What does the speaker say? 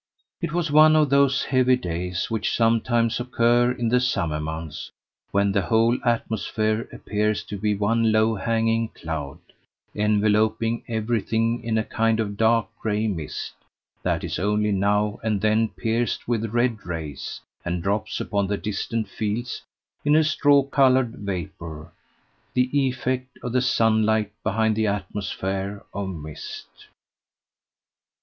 It was one of those heavy days which sometimes occur in the summer months, when the whole atmosphere appears to be one low hanging cloud, enveloping everything in a kind of dark gray mist, that is only now and then pierced with red rays, and droops upon the distant fields in a straw coloured vapour the effect of the sunlight behind the atmosphere of mist.